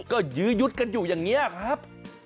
ก็ยื้อยุดกันอยู่อย่างนี้ครับ